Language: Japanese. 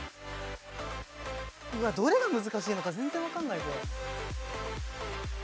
うわっどれが難しいのか全然わかんないこれ。